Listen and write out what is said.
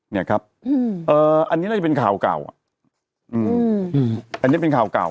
นี่ครับอันนี้น่าจะเป็นข่าวเก่า